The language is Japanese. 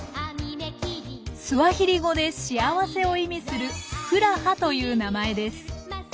スワヒリ語で「幸せ」を意味する「フラハ」という名前です。